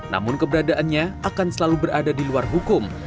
namun keberadaannya akan selalu berada di luar hukum